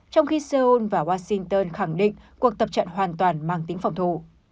trong khi seoul và washington khẳng định cuộc tập trận hoàn toàn mang tính phòng thủ